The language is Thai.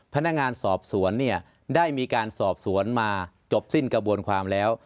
พนักงานสอบสวนเนี่ยได้มีการสอบสวนมาจบสิ้นกระบวนความแล้ว